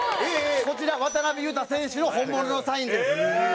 こちら渡邊雄太選手の本物のサインです。